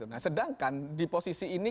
nah sedangkan di posisi ini